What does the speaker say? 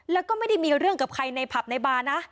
แล้วก็ไม่ได้มีเรื่องกับใครในผับในบาร์นะ